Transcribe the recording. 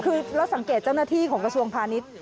คือเราสังเกตเจ้าหน้าที่ของกระทรวงพาณิชย์